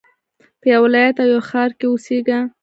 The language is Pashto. په يوه ولايت او يوه ښار کښي اوسېږه!